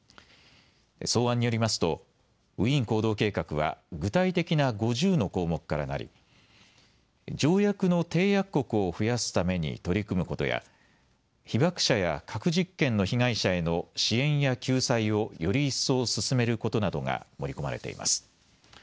草案によりますとウィーン行動計画は具体的な５０の項目からなり条約の締約国を増やすために取り組むことや被爆者や核実験の被害者への支援や救済をより一層進めることなどが盛り込まれています。